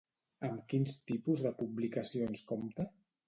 Amb quins tipus de publicacions compta?